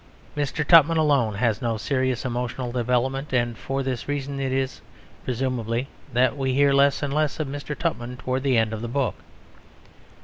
Mr. Tupman alone has no serious emotional development, and for this reason it is, presumably, that we hear less and less of Mr. Tupman towards the end of the book.